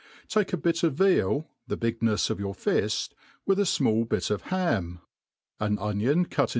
Take a bit of vea), the bignefs of your fift, with a fmall bit of ham^ an onioa » ■ii6